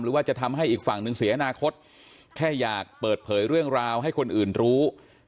ว่าจะทำให้อีกฝั่งหนึ่งเสียอนาคตแค่อยากเปิดเผยเรื่องราวให้คนอื่นรู้